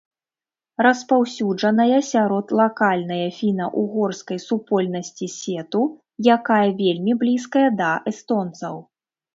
Распаўсюджаная сярод лакальнае фіна-ўгорскай супольнасці сету, якая вельмі блізкая да эстонцаў.